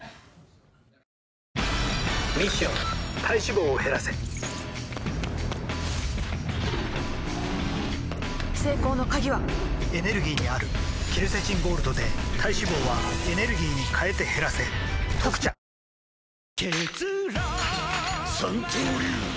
ミッション体脂肪を減らせ成功の鍵はエネルギーにあるケルセチンゴールドで体脂肪はエネルギーに変えて減らせ「特茶」一課長大岩。